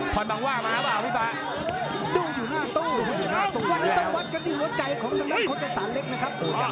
พรบังว่ามาหรือเปล่าพี่ฟ้า